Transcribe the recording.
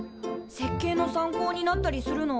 設計の参考になったりするの？